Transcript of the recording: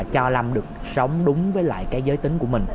cho làm được sống đúng với lại cái giới tính của mình